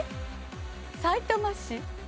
さいたま市？